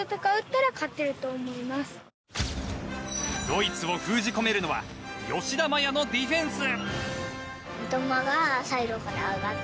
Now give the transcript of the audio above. ドイツを封じ込めるのは吉田麻也のディフェンス。